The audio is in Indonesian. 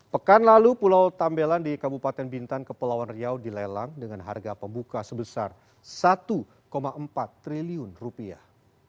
pekan lalu pulau tambelan di kabupaten bintan kepulauan riau dilelang dengan harga pembuka sebesar satu empat triliun rupiah